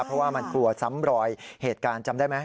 เพราะว่ามันกลัวซ้ำรอยเหตุการณ์จำได้ไหม